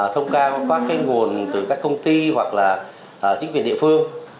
thông cao các nguồn từ các công ty hoặc là chính quyền địa phương